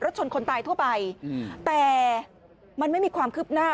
ชนคนตายทั่วไปแต่มันไม่มีความคืบหน้า